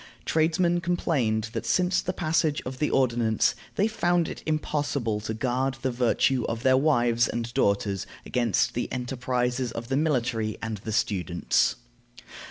Tradesmen complained that since the passage of the ordinance they found it impossible to guard the virtue of their wives and daughters against the enterprises of the military and the students.